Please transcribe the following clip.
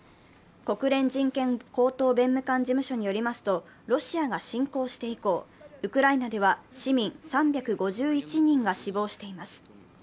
国連人権高等弁務官事務所によりますと、ロシアが侵攻して以降、ウクライナでは市民３５１人が死亡しています。